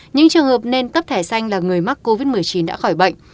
những trường hợp nên cấp thẻ xanh là người mắc covid một mươi chín đã khỏi bệnh